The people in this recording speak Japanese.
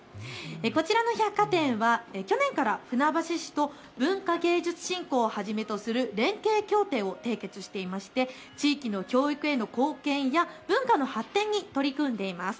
こちらの百貨店は去年から船橋市と文化・芸術振興をはじめとする連携協定を締結していまして地域の教育への貢献や文化の発展に取り組んでいます。